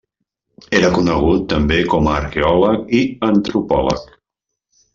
Era conegut també com a arqueòleg i antropòleg.